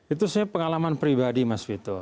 itu saya pengalaman pribadi mas vito